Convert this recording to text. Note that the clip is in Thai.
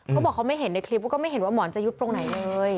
เขาบอกเขาไม่เห็นในคลิปก็ไม่เห็นว่าหมอนจะยุบตรงไหนเลย